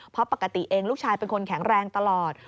เพราะปกติเองลูกชายเป็นคนแข็งแรงตลอด